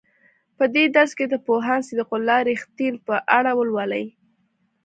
په دې درس کې د پوهاند صدیق الله رښتین په اړه ولولئ.